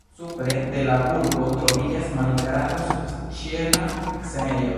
Supre de la burgo troviĝas malgranda subĉiela scenejo.